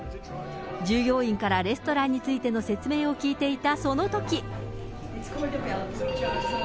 従業員からレストランについての説明を聞いていたそのとき。